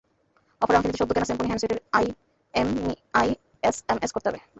অফারে অংশ নিতে সদ্য কেনা সিম্ফনি হ্যান্ডসেটের আইএমইআই এসএমএস করতে হবে।